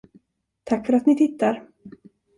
Tack för att ni tittar!